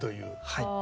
はい。